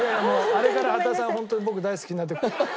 あれから羽田さんホントに僕大好きになって。